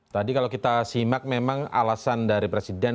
tadi kalau kita simak memang alasan dari presiden